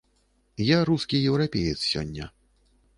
Я рускі еўрапеец сёння.